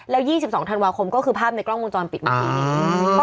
แล้ว๒๒ธันวาคมก็คือภาพในกล้องวงจรปิดเมื่อกี้นี้